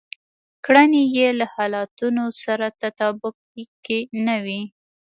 کړنې يې له حالتونو سره تطابق کې نه وي.